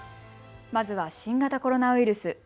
まずは新型コロナウイルス。